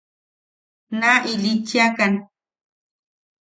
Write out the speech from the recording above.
Naa ilitchiakan.